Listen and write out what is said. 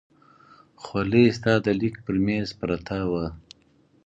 خولۍ ستا د لیک پر مېز پرته وه.